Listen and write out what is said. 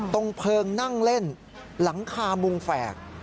ตรงเพลิงนั่งเล่นหลังคามุงแฝก